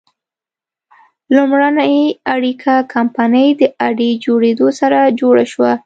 لومړنۍ اړیکه کمپنۍ د اډې جوړېدو سره جوړه شوه.